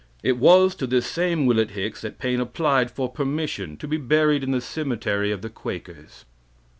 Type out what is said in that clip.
It was to this same Willet Hicks that Paine applied for permission to be buried in the cemetery of the Quakers.